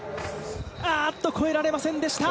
あっと、越えられませんでした。